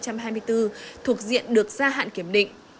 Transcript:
thuộc diện được ra hạn kiểm định